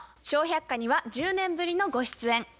「笑百科」には１０年ぶりのご出演。